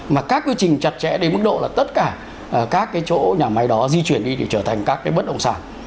mà các quy trình chặt chẽ đến mức độ là tất cả các cái chỗ nhà máy đó di chuyển đi thì trở thành các cái bất động sản